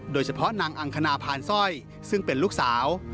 โดยเฉพาะนางอังคณาพานสร้อยซึ่งเป็นลูกสาว